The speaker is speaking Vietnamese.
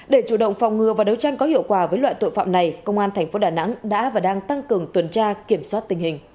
để chủ động phòng ngừa và đấu tranh có hiệu quả với loại tội phạm này công an tp đà nẵng đã và đang tăng cường tuần tra kiểm soát tình hình